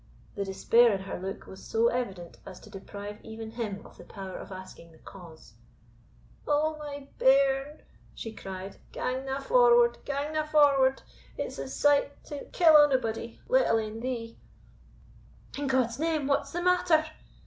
The despair in her look was so evident as to deprive even him of the power of asking the cause. "O my bairn!" she cried, "gang na forward gang na forward it's a sight to kill onybody, let alane thee." "In God's name, what's the matter?"